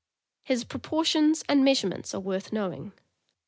His proportions and measurements are worth knowing.